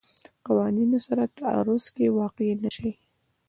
قوانونو سره تعارض کې واقع نه شي.